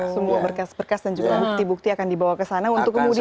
semua berkas berkas dan juga bukti bukti akan dibawa ke sana untuk kemudian